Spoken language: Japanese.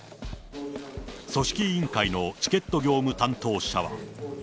組織委員会のチケット業務担当者は。